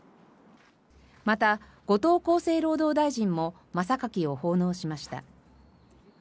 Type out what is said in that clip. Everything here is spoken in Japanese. また、後藤厚生労働大臣も真榊を奉納しました。